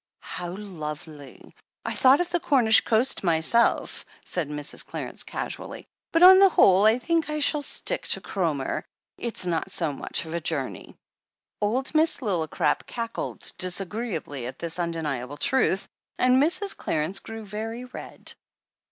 "How lovely ! I thought of the Cornish coast my self," said Mrs. Clarence casually, "but on the whole I think I shall stick to Cromer. It's not so much of a journey." Old Miss Lillicrap cackled disagreeably at this un deniable truth, and Mrs. Clarence grew very red.